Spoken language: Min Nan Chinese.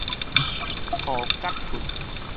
塗葛窟